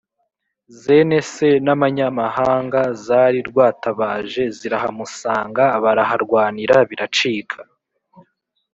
zene se n’amanyamahanga zari rwatabaje zirahamusanga, baraharwanira biracika.